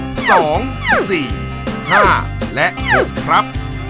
งานราชการควรใส่เสื้อผ้าและเครื่องแต่งกายที่มีสีกากี่สีน้ำตาลสีส้มหรือใส่เครื่องประดับที่มีเลข๒๔๕ครับ